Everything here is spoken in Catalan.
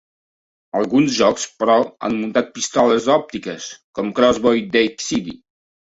Alguns jocs, però, han muntat pistoles òptiques, com "Crossbow" d'Exidy.